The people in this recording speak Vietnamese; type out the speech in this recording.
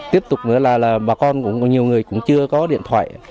tiếp tục nữa là bà con cũng nhiều người cũng chưa có điện thoại